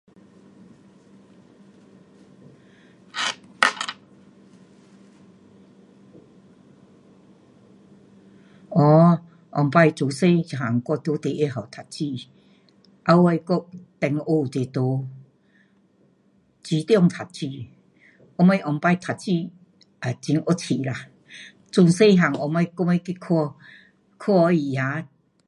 um 以前我做小个我在第一校读书。后尾我中学是在二中读书。我们以前读书也很活泼啦，中学 um 后尾，我们去看戏 um